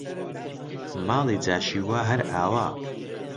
ماڵی جاشی وا هەر ئاوا!